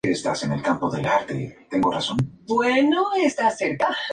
Fue una reconocida autoridad en la familia de las orquídeas.